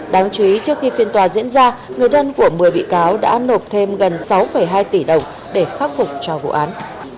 đáng chú ý trước khi phiên tòa diễn ra người thân của một mươi bị cáo đã nộp thêm gần sáu hai tỷ đồng để khắc phục cho vụ án